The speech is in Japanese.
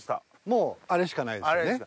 もうあれしかないですよね。